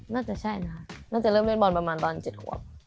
น่าจะใช่นะคะน่าจะเริ่มเล่นบอลประมาณตอน๗ขวบ